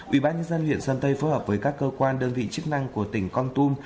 ubnd huyện sơn tây phối hợp với các cơ quan đơn vị chức năng của tỉnh con tum